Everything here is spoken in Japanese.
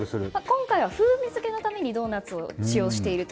今回は風味づけのためにドーナツを使用していると。